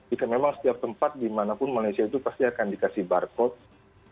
jika memang setiap tempat dimanapun malaysia itu pasti akan dikasih barcode